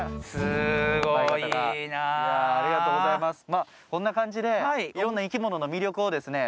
まあこんな感じでいろんな生き物の魅力をですね